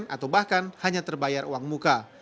atau bahkan hanya terbayar uang muka